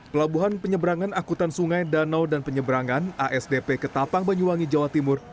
pelabuhan penyeberangan akutan sungai danau dan penyeberangan asdp ketapang banyuwangi jawa timur